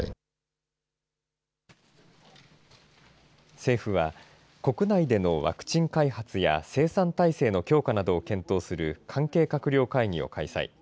政府は、国内でのワクチン開発や、生産体制の強化などを検討する関係閣僚会議を開催。